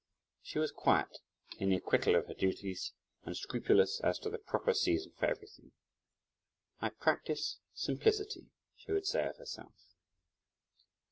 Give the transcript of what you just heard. She was quiet in the acquittal of her duties and scrupulous as to the proper season for everything. "I practise simplicity," she would say of herself.